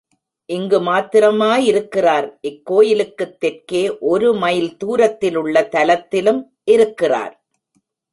இங்கு மாத்திரமா இருக்கிறார் இக்கோயிலுக்குத் தெற்கே ஒரு மைல் தூரத்திலுள்ள தலத்திலும் இருக்கிறார்.